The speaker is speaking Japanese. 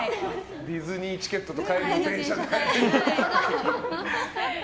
ディズニーチケットと帰りの電車代。